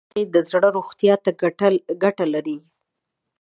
د کب غوښه د زړه روغتیا ته ګټه لري.